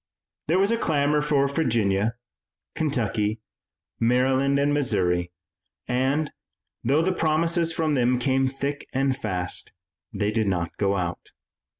There was a clamor for Virginia, Kentucky, Maryland and Missouri, and, though the promises from them came thick and fast, they did not go out.